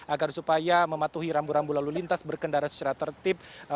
agar supaya mematuhi rambu rambu lalu lintas berkendara secara tertib